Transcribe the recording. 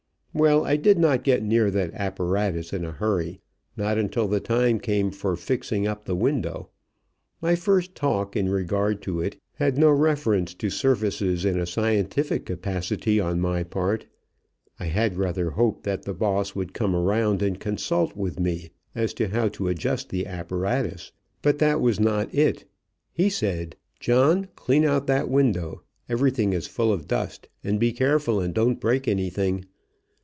Well, I did not get near that apparatus in a hurry, not until the time came for fixing up the window. My first talk in regard to it had no reference to services in a scientific capacity on my part. I had rather hoped that the boss would come around and consult with, me as to how to adjust the apparatus. But that was not it. He said: "John, clean out that window. Everything is full of dust, and be careful and don't break anything!"